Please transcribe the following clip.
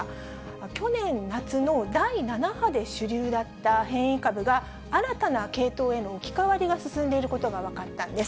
去年夏の第７波で主流だった変異株が、新たな系統への置き換わりが進んでいることが分かったんです。